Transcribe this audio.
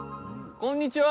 こんにちは！